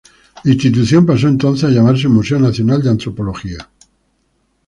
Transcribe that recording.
La institución pasó entonces a llamarse Museo Nacional de Antropología.